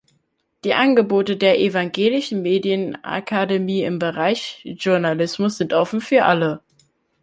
Die Angebote der Evangelischen Medienakademie im Bereich Journalismus sind offen für alle.